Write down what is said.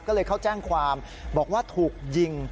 ก็เลยเข้าแจ้งความบอกว่าถูกยิง